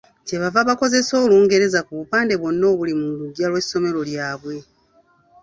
Kye bava bakozesa Olungereza ku bupande bwonna obuli mu luggya lw'essomero lyabwe.